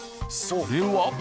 それは。